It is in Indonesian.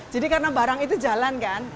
jadi karena barang itu jalan kan